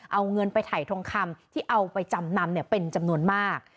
เอาเงินไปถ่ายทองคำที่เอาไปจำนำเป็นจำนวนมาก